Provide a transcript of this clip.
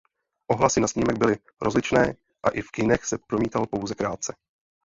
Ohlasy na snímek byly rozličné a i v kinech se promítal pouze krátce.